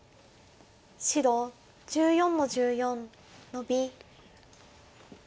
白１４の十四ノビ。